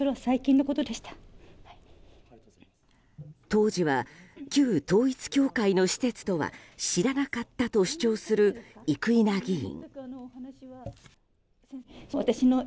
当時は、旧統一教会の施設とは知らなかったと主張する生稲議員。